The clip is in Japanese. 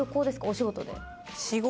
お仕事で？